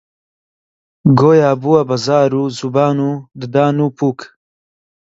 گۆیا بووە بە زار و زوبان و ددان و پووک: